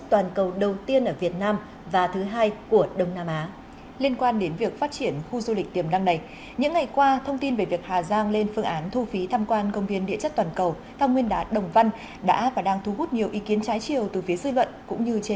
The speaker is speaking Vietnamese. dự kiến việc thu phí khách tham quan công viên điện chất cao nguyên đá đồng văn sẽ thông qua lượt lưu trú